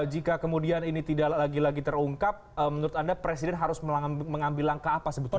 jika kemudian ini tidak lagi lagi terungkap menurut anda presiden harus mengambil langkah apa sebetulnya